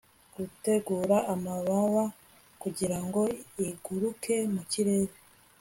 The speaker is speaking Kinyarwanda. Gutegura amababa kugirango iguruke mu kirere